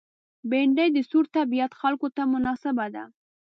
بېنډۍ د سوړ طبیعت خلکو ته مناسبه ده